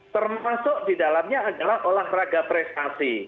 termasuk di dalamnya adalah olahraga prestasi